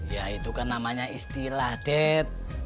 ya itu kan namanya istilah ded